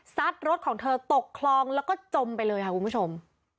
รถของเธอตกคลองแล้วก็จมไปเลยค่ะคุณผู้ชม